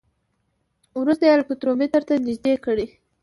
وروسته یې الکترومتر ته نژدې کړئ.